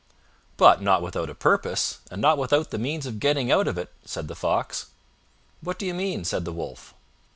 "But not without a purpose, and not without the means of getting out of it," said the Fox. "What do you mean?" said the Wolf.